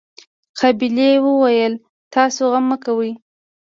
قابلې وويل تاسو غم مه کوئ.